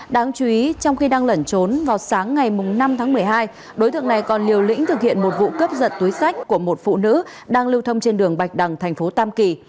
đáng chú ý trong khi đang lẩn trốn vào sáng ngày năm tháng một mươi hai đối tượng này còn liều lĩnh thực hiện một vụ cướp giật túi sách của một phụ nữ đang lưu thông trên đường bạch đằng thành phố tam kỳ